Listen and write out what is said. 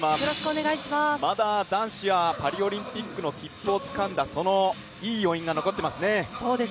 まだ男子はパリオリンピックの切符をつかんだ、そのいい余韻が残っていますね。